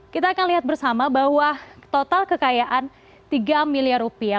kita akan lihat bersama bahwa total kekayaan tiga miliar rupiah